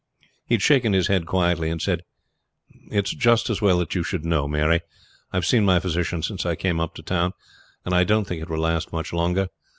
He had shaken his head quietly and said: "It is just as well that you should know, Mary. I have seen my physician since I came up to town, and I don't think it will last much longer.